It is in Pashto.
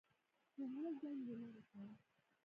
د زړه زنګ یې لرې کړ.